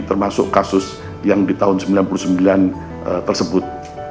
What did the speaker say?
termasuk kasus yang di tahun seribu sembilan ratus sembilan puluh sembilan tersebut